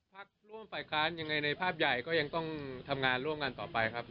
พักร่วมฝ่ายค้านยังไงในภาพใหญ่ก็ยังต้องทำงานร่วมกันต่อไปครับ